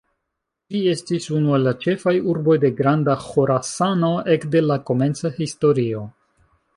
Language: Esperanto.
Ĝi estis unu el la ĉefaj urboj de Granda Ĥorasano, ekde la komenca historio.